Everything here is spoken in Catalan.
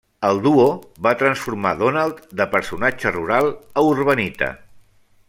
El duo va transformar Donald de personatge rural a urbanita.